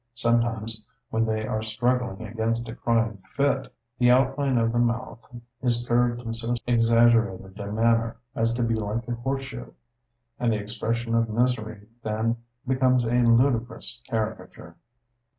Sometimes, when they are struggling against a crying fit, the outline of the mouth is curved in so exaggerated a manner as to be like a horseshoe; and the expression of misery then becomes a ludicrous caricature.